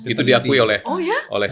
itu diakui oleh